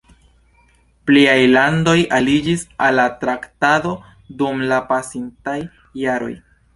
Pliaj landoj aliĝis al la traktato dum la pasintaj jaroj.